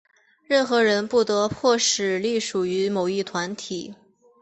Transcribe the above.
任何人不得迫使隶属于某一团体。